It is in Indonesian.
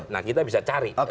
nah kita bisa cari